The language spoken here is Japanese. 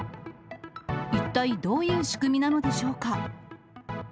一体どういう仕組みなのでしょうか。